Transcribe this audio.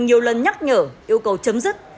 nhiều lần nhắc nhở yêu cầu chấm dứt